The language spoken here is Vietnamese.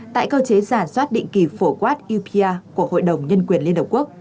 tại cơ chế giả soát định kỳ phổ quát upr của hội đồng nhân quyền liên hợp quốc